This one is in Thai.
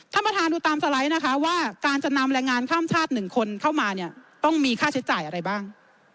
ท่านประธานดูตามสไลด์นะคะว่าการจะนำแรงงานข้ามชาติ๑คนเข้ามาเนี่ยต้องมีค่าใช้จ่ายอะไรบ้าง